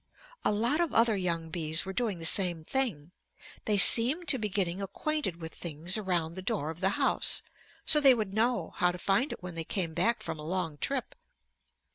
A lot of other young bees were doing the same thing. They seemed to be getting acquainted with things around the door of the house so they would know how to find it when they came back from a long trip.